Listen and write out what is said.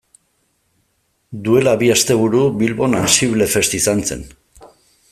Duela bi asteburu Bilbon AnsibleFest izan zen.